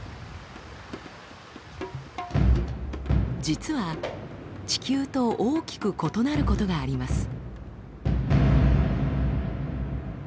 実は地球と大きく異なることがあります。